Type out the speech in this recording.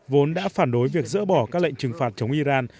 vốn đã phản đối việc dỡ bỏ các lệnh trừng phạt chống iran